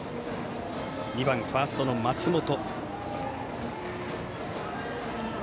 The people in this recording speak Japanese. ２番、ファーストの松本。